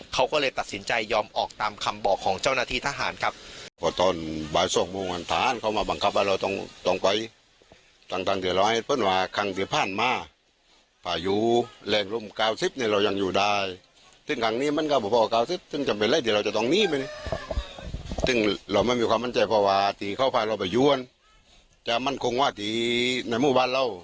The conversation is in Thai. เขาก็เลยตัดสินใจยอมออกตามคำบอกของเจ้าหน้าที่ทหารครับ